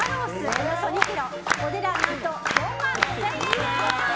およそ２ｋｇお値段何と４万５０００円です。